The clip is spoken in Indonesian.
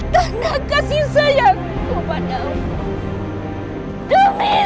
dan kasih sayangku kepada aku